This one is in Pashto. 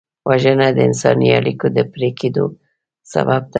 وژنه د انساني اړیکو د پرې کېدو سبب ده